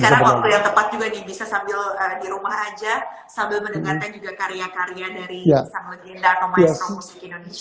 sekarang waktu yang tepat juga nih bisa sambil di rumah aja sambil mendengarkan juga karya karya dari sang legenda atau maestro musik indonesia